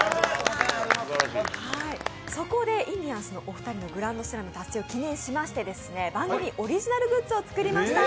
そこでインディアンスのお二人のグランドスラム達成を記念しまして番組オリジナルグッズを作りました！